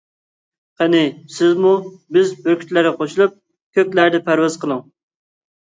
قېنى سىزمۇ بىز بۈركۈتلەرگە قوشۇلۇپ كۆكلەردە پەرۋاز قىلىڭ!